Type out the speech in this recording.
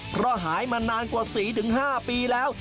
เพราะหายมานานกว่า๔๕ปีแล้ว